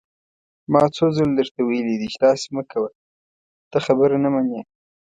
ما څو ځله درته ويلي دي چې داسې مه کوه، ته خبره نه منې!